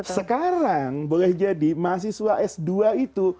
sekarang boleh jadi mahasiswa s dua itu